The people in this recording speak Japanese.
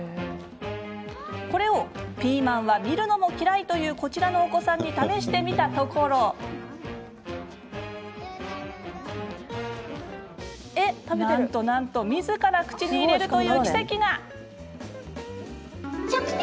これをピーマンは見るのも嫌いというこちらのお子さんに試してみたところなんと、みずから口に入れるという奇跡が。